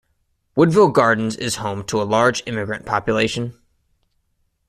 Woodville Gardens is home to a large immigrant population.